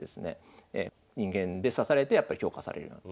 人間で指されてやっぱり評価されるようになった。